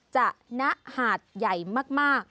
จะนะหาดใหญ่มาก